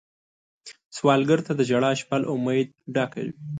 سوالګر ته د ژړا شپه له امید ډکه وي